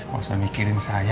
gak usah mikirin saya